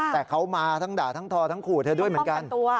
แต่เขามาทั้งด่าทั้งทอทั้งขู่เธอด้วยเหมือนกัน